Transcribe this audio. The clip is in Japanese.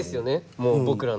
もう僕らの。